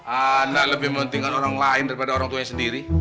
anak lebih mementingkan orang lain daripada orang tuanya sendiri